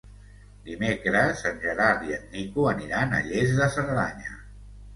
Dimecres en Gerard i en Nico aniran a Lles de Cerdanya.